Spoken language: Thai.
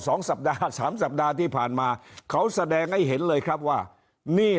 สองสัปดาห์สามสัปดาห์ที่ผ่านมาเขาแสดงให้เห็นเลยครับว่านี่